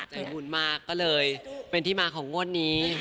ใจบุญมากก็เลยเป็นที่มาของงวดนี้